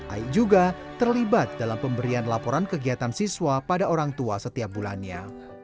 aik juga terlibat dalam pemberian laporan kegiatan siswa pada orang tua setiap bulannya